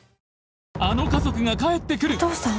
あの家族が帰ってくるお父さん？